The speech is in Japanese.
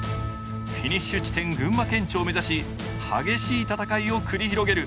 フィニッシュ地点・群馬県庁を目指し、激しい戦いを繰り広げる。